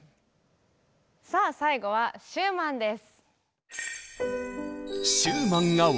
さあ最後はシューマンです。